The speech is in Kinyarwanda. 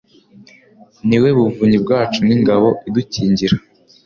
ni we buvunyi bwacu n’ingabo idukingira